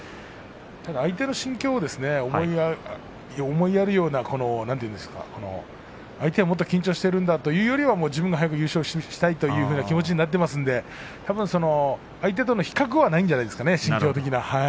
ただ相手の心境を思いやるような相手はもっと緊張しているんだというよりは自分が早く優勝したいという気持ちになっていますので相手との比較はないんじゃないですかね、心情的な。